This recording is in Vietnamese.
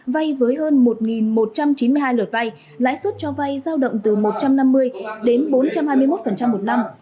vay với hơn một một trăm chín mươi hai lượt vay lãi suất cho vay giao động từ một trăm năm mươi đến bốn trăm hai mươi một một năm